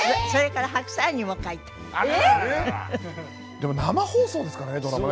でも生放送ですからねドラマね。